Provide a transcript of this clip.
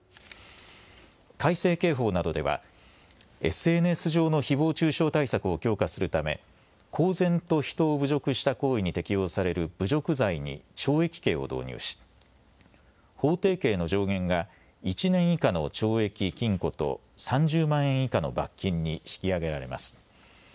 改正刑法などでは、ＳＮＳ上のひぼう中傷対策を強化するため、公然と人を侮辱した行為に適用される侮辱罪に懲役刑を導入し、法定刑の上限が１年以下の懲役・禁錮と、３０万円以下の罰金に引き上げられます。